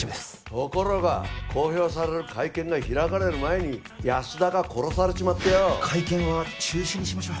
ところが公表される会見が開かれる前に安田が殺されちまってよ会見は中止にしましょう